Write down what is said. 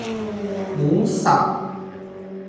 หมูสับ